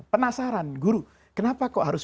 penasaran guru kenapa kok harus